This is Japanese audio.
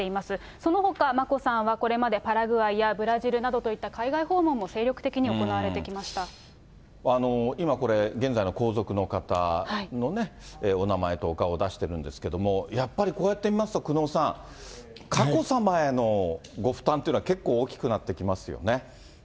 そのほか、眞子さんはこれまでパラグアイやブラジルなどといった海外訪問も今これ、現在の皇族の方のお名前とお顔出してるんですけれども、やっぱりこうやって見ますと、久能さん、佳子さまへのご負担っていうのは結構大きくなってきますよね。